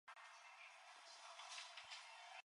Outside his palace, he was carried on men's shoulders.